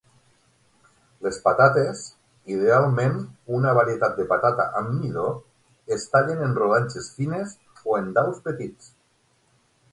Les patates, idealment una varietat de patata amb midó, es tallen en rodanxes fines o en daus petits.